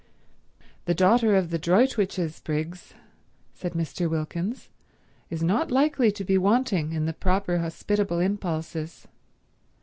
"The daughter of the Droitwiches, Briggs," said Mr. Wilkins, "is not likely to be wanting in the proper hospitable impulses."